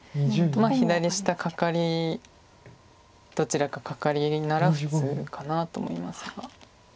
左下カカリどちらかカカリなら普通かなと思いますが。